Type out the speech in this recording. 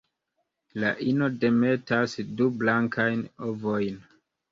La ino demetas du blankajn ovojn.